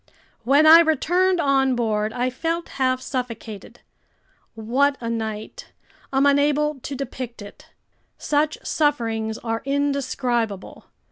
When I returned on board, I felt half suffocated. What a night! I'm unable to depict it. Such sufferings are indescribable.